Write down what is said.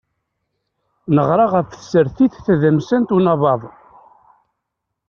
Neɣra ɣef tsertit tadamsant unabaḍ.